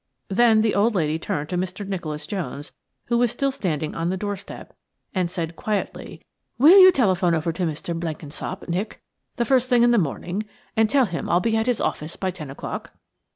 Then the old lady turned to Mr. Nicholas Jones, who was still standing on the doorstep, and said quietly: "Will you telephone over to Mr. Blenkinsop, Nick, the first thing in the morning, and tell him I'll be at his office by ten o'clock?"